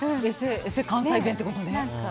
エセ関西弁ってことね。